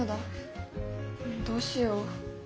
どうしよう。